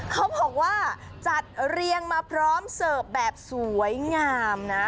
เขาบอกว่าจัดเรียงมาพร้อมเสิร์ฟแบบสวยงามนะ